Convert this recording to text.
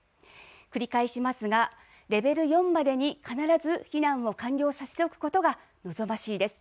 繰り返しますがレベル４までに必ず避難を完了させておくことが望ましいです。